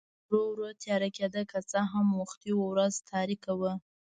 ورو ورو تیاره کېده، که څه هم وختي و، ورځ تاریکه وه.